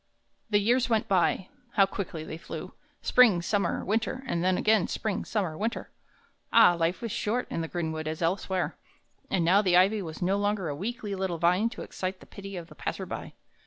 The years went by; how quickly they flew, spring, summer, winter, and then again spring, summer, winter, ah, life is short in the greenwood as elsewhere! And now the ivy was no longer a weakly little vine to excite the pity of the passer by.